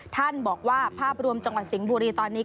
ท่านบอกว่าภาพรวมจังหวัดสิงห์บุรีตอนนี้